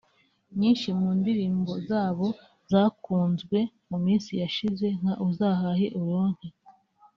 nyinshi mu ndirimbo zabo zakunzwe mu minsi yashize nka ‘Uzahahe uronke’